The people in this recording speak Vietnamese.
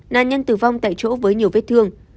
nạn nhân tử vong tại chỗ với nhiều vết thương